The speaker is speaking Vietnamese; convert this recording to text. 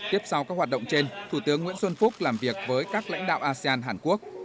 tiếp sau các hoạt động trên thủ tướng nguyễn xuân phúc làm việc với các lãnh đạo asean hàn quốc